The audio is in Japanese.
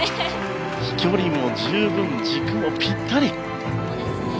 飛距離も十分軸もぴったり！